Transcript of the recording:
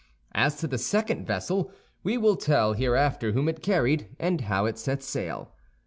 As to the second vessel, we will tell hereafter whom it carried, and how it set sail.